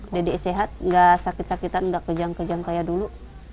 dede sehat gak sakit sakitan gak kejang kejang kayak dulu